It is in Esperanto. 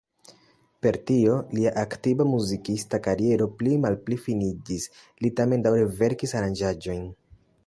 Per tio lia aktiva muzikista kariero pli malpli finiĝis; li tamen daŭre verkis aranĝaĵojn.